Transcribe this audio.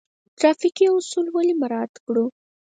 ټرافیکي اصول ولې مراعات کړو؟